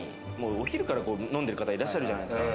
お昼から飲んでる方いらっしゃるじゃないですか。